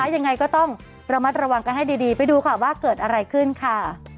ยังไงก็ต้องระมัดระวังกันให้ดีไปดูค่ะว่าเกิดอะไรขึ้นค่ะ